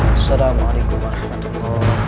assalamualaikum warahmatullahi wabarakatuh